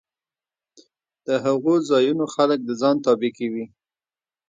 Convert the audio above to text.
د هغو ځایونو خلک د ځان تابع کوي